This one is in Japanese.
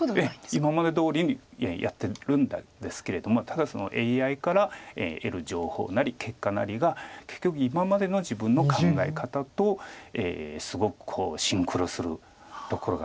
今までどおりにやってるんですけれどもただＡＩから得る情報なり結果なりが結局今までの自分の考え方とすごくシンクロするところがあるんでしょうか。